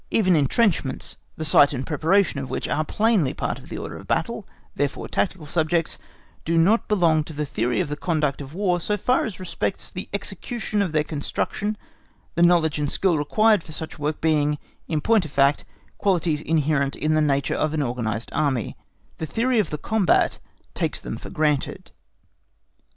Even entrenchments, the site and preparation of which are plainly part of the order of battle, therefore tactical subjects, do not belong to the theory of the conduct of War so far as respects the execution of their construction the knowledge and skill required for such work being, in point of fact, qualities inherent in the nature of an organised Army; the theory of the combat takes them for granted.